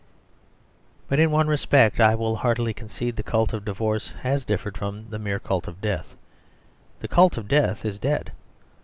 But in one respect, I will heartily concede, the cult of divorce has differed from the mere cult of death. The cult of death is dead.